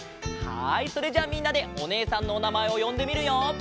はいそれじゃあみんなでおねえさんのおなまえをよんでみるよ！